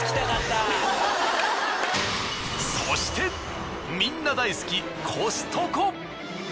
そしてみんな大好きコストコ！